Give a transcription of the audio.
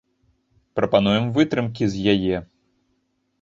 Прапануем вытрымкі з яе.